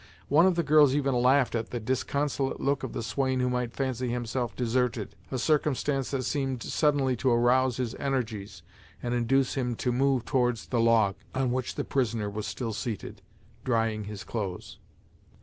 One of the girls even laughed at the disconsolate look of the swain who might fancy himself deserted, a circumstance that seemed suddenly to arouse his energies, and induce him to move towards the log, on which the prisoner was still seated, drying his clothes.